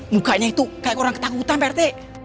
mukanya itu kayak orang ketakutan pak rt